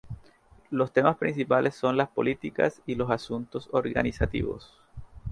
Los temas principales son las políticas y los asuntos organizativos.